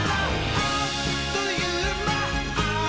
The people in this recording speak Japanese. あっというまっ！」